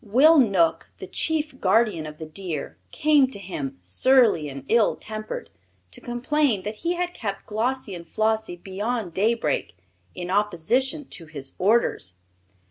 Will Knook, the chief guardian of the deer, came to him, surly and ill tempered, to complain that he had kept Glossie and Flossie beyond daybreak, in opposition to his orders.